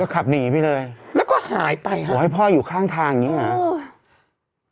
ก็ขับหนีไปเลยโอ้ยพ่ออยู่ข้างทางอย่างนี้เหรออือ